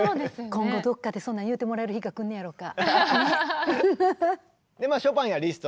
今後どっかでそんなん言うてもらえる日がくんねやろか。